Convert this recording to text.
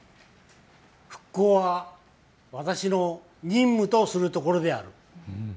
復興は私の任務とするところである。